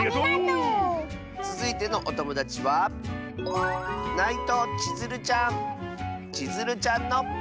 つづいてのおともだちはちづるちゃんの。